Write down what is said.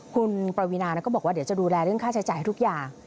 คุณปวีนาก็บอกว่าเดี๋ยวจะดูแลเรื่องค่าใช้จ่ายให้ทุกอย่าง